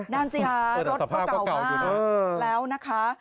นั่นสิคะรถก็เก่ามากแล้วนะคะ